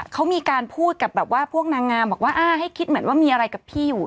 เขามีการพูดกับแบบว่าพวกนางงามบอกว่าอ่าให้คิดเหมือนว่ามีอะไรกับพี่อยู่